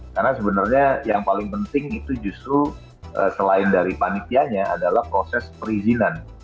karena sebenarnya yang paling penting itu justru selain dari panitianya adalah proses perizinan